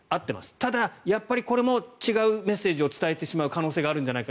ただやっぱりこれも違うメッセージを伝えてしまう可能性があるんじゃないか。